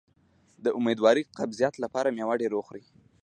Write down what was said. د امیدوارۍ د قبضیت لپاره میوه ډیره وخورئ